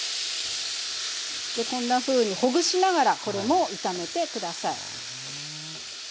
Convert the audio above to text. こんなふうにほぐしながらこれも炒めて下さい。